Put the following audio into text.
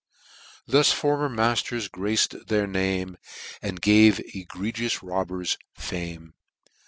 Thus former matters grac'd their name. And gave egregious robbers fame.